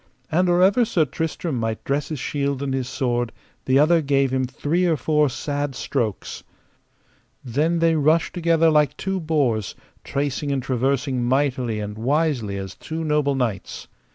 And or ever Sir Tristram might dress his shield and his sword the other gave him three or four sad strokes. Then they rushed together like two boars, tracing and traversing mightily and wisely as two noble knights.